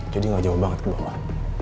jadi gak jauh banget ke bawah